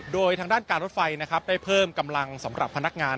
โดยทางด้านการรถไฟนะครับได้เพิ่มกำลังสำหรับพนักงาน